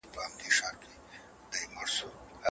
هغه څوک چي صبر کوي، ستونزي زغمي.